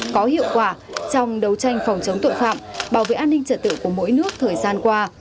có hiệu quả trong đấu tranh phòng chống tội phạm bảo vệ an ninh trật tự của mỗi nước thời gian qua